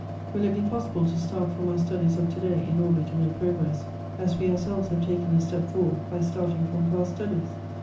Will it be possible to start from our studies of to day in order to make progress, as we ourselves have taken a step forward by starting from past studies?